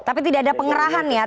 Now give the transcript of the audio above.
tapi tidak ada pengerahan ya tidak ada